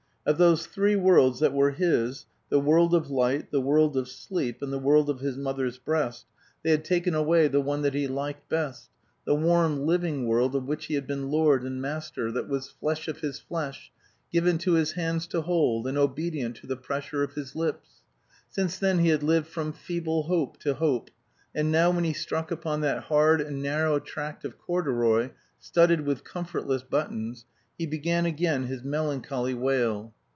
Of those three worlds that were his, the world of light, the world of sleep, and the world of his mother's breast, they had taken away the one that he liked best the warm living world of which he had been lord and master, that was flesh of his flesh, given to his hands to hold, and obedient to the pressure of his lips. Since then he had lived from feeble hope to hope; and now, when he struck upon that hard and narrow tract of corduroy studded with comfortless buttons, he began again his melancholy wail.